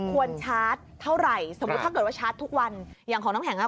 ชาร์จเท่าไหร่สมมุติถ้าเกิดว่าชาร์จทุกวันอย่างของน้ำแข็งอ่ะ